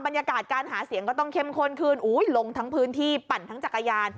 บรรยากาศการหาเสียงก็ต้องเข้มข้นขึ้นอุ้ยลงทั้งพื้นที่ปั่นทั้งจักรยาน